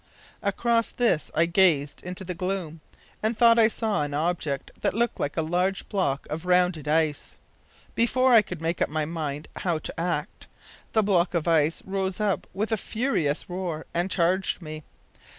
Across this I gazed into the gloom, and thought I saw an object that looked like a large block of rounded ice. Before I could make up my mind how to act, the block of ice rose up with a furious roar and charged me.